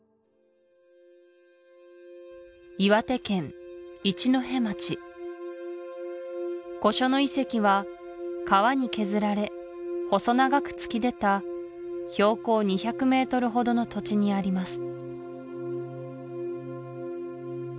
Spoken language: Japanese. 岩手県一戸町御所野遺跡は川に削られ細長く突き出た標高２００ｍほどの土地にあります